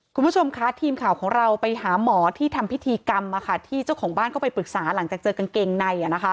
คุณผู้ชมคะทีมข่าวของเราไปหาหมอที่ทำพิธีกรรมที่เจ้าของบ้านเข้าไปปรึกษาหลังจากเจอกางเกงใน